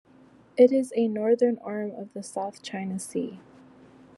It is a northern arm of the South China Sea.